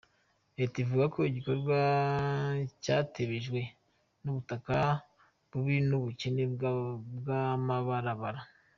Leta ivuga igikorwa catebejwe n'ubutaka bubi n'ubukene bw'amabarabara.